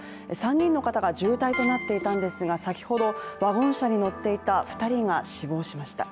３人の方が重体となっていたんですが先ほど、ワゴン車に乗っていた２人が死亡しました。